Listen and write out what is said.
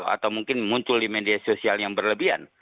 atau mungkin muncul di media sosial yang berlebihan